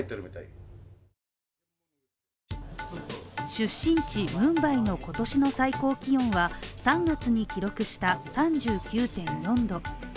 出身地ムンバイの今年の最高気温は３月に記録した３９．４度。